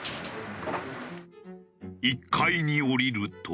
１階に下りると。